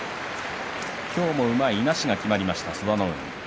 今日も、うまいいなしがきまりました。